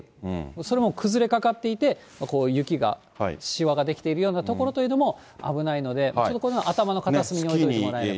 それも崩れかかっていて、雪がしわが出来ているような所というのも危ないので、ちょっと頭の片隅に置いておいてもらえれば。